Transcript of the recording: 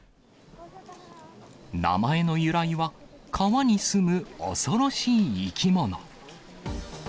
名前の由来は、川に住む恐ろしい生き物。